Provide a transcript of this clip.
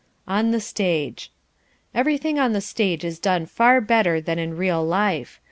On the Stage Everything on the stage is done far better than in real life.